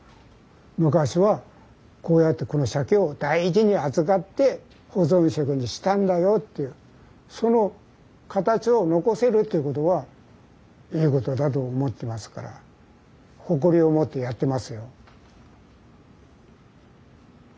昔はこうやってこのシャケを大事に扱って保存食にしたんだよというその形を残せるということはいいことだと思ってますから誇りを持ってやってますよ。